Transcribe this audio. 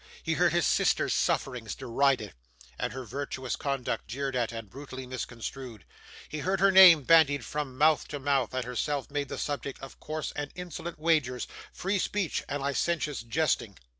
He heard his sister's sufferings derided, and her virtuous conduct jeered at and brutally misconstrued; he heard her name bandied from mouth to mouth, and herself made the subject of coarse and insolent wagers, free speech, and licentious jesting.